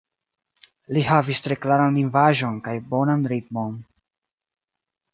Li havis tre klaran lingvaĵon kaj bonan ritmon.